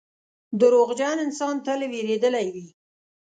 • دروغجن انسان تل وېرېدلی وي.